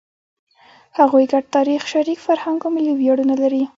هغوی ګډ تاریخ، شریک فرهنګ او ملي ویاړونه لري.